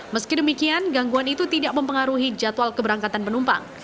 meski demikian gangguan itu tidak mempengaruhi jadwal keberangkatan penumpang